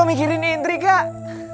gua mikirin indri kak